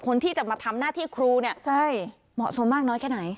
คนที่จะมาทำหน้าที่ครูเนี่ยใช่เหมาะสมมากน้อยแค่ไหน